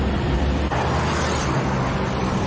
วันวานไม่เป็นสนุน